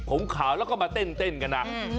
หลงขาวแล้วก็มาเต้นกันอ่ะ